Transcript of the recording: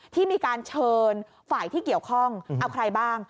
ที่มีการเชิญฝ่ายที่เกี่ยวข้องเอาใครบ้าง